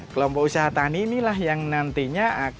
kelompok usaha tani inilah yang nantinya akan